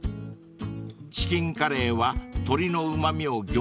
［チキンカレーは鶏のうま味を凝縮］